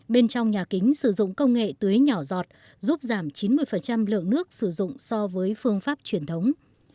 bên trong nhà kính sử dụng công nghệ tưới nhỏ giọt giúp giảm chín mươi lượng nước sử dụng so với phương pháp truyền thống